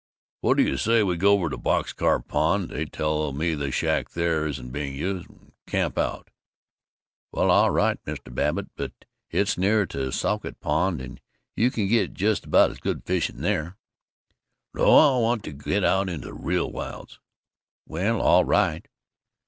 "What do you say we go over to Box Car Pond they tell me the shack there isn't being used and camp out?" "Well, all right, Mr. Babbitt, but it's nearer to Skowtuit Pond, and you can get just about as good fishing there." "No, I want to get into the real wilds." "Well, all right."